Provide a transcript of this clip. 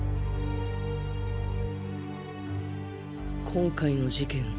今回の事件